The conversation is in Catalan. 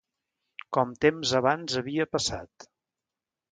Com temps abans havia passat.